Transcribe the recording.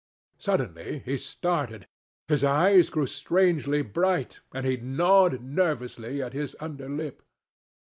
Suddenly he started. His eyes grew strangely bright, and he gnawed nervously at his underlip.